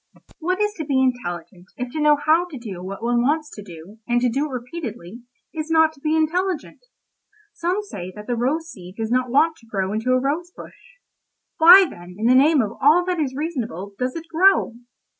"What is to be intelligent if to know how to do what one wants to do, and to do it repeatedly, is not to be intelligent? Some say that the rose seed does not want to grow into a rose bush. Why, then, in the name of all that is reasonable, does it grow?